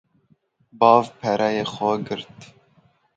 Bav pereyê xwe girt